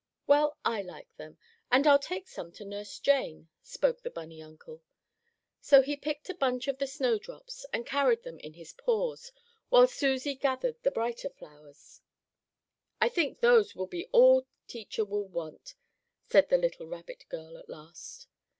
"Well, I like them, and I'll take some to Nurse Jane," spoke the bunny uncle. So he picked a bunch of the snowdrops and carried them in his paws, while Susie gathered the brighter flowers. "I think those will be all teacher will want," said the little rabbit girl at last.